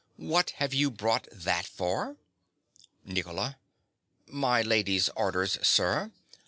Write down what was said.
What have you brought that for? NICOLA. My lady's orders, sir.